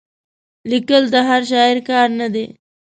لیکل یې د هر شاعر کار نه دی.